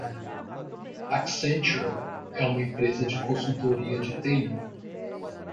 Accenture é uma empresa de consultoria de TI.